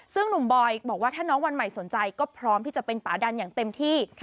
ซึ่งหนุ่มบอยบอกว่าถ้าน้องวันใหม่สนใจก็พร้อมที่จะเป็นป่าดันอย่างเต็มที่